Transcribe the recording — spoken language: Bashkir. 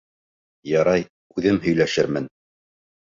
— Ярай, үҙем һөйләшермен.